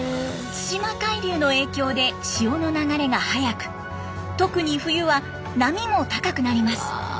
対馬海流の影響で潮の流れが速く特に冬は波も高くなります。